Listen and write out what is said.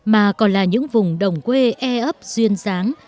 mà còn là những vùng đồng quê e ấp duyên dáng